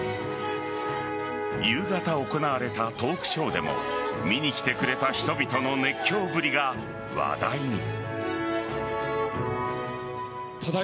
夕方行われたトークショーでも見に来てくれた人々の熱狂ぶりが話題に。